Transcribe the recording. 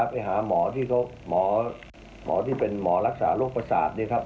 ไปหาหมอที่เป็นหมอรักษาโรคประสาทนี่ครับ